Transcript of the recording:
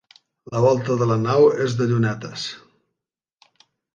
La volta de la nau és de llunetes.